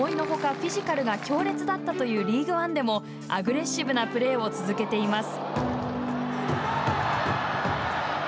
フィジカルが強烈だったというリーグワンでもアグレッシブなプレーを続けています。